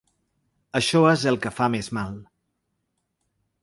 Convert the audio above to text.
Això és el que fa més mal.